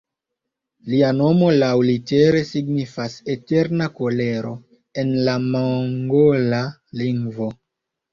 Lia nomo laŭlitere signifas "Eterna Kolero" en la mongola lingvo.